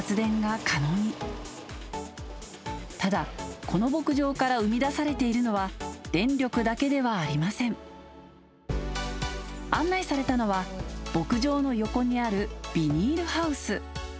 ただこの牧場から生み出されているのは案内されたのは牧場の横にあるビニールハウス。